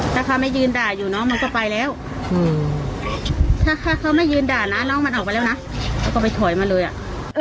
ถ้าเขาไม่ยืนด่าอยู่น้องมันก็ไปแล้วถ้าถ้าเขาไม่ยืนด่าน้าน้องมันออกไปแล้วนะเขาก็ไปถอยมาเลยอ่ะ